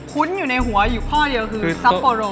ุ้นอยู่ในหัวอยู่ข้อเดียวคือซัปโปโร